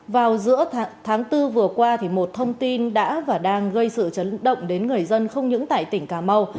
vào giữa tháng bốn vừa qua một thông tin đã và đang gây sự chấn động đến người dân không những tại tỉnh cà mau